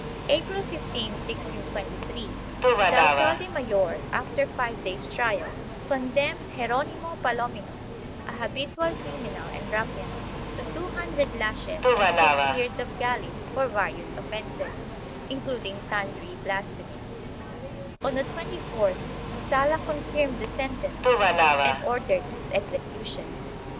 April 15, 1623, the alcalde mayor, after five days' trial, condemned Geronimo Palo mino, an habitual criminal and rufian, to two hundred lashes and six years of galleys for various offences, including sundry blasphemies; on the 24th, the Sala confirmed the sentence and ordered its execution.